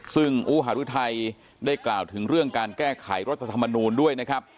ซึ่งอุหารุทัยได้กล่าวถึงเรื่องการแก้ไขรัฐธรรมนูลด้วยนะครับ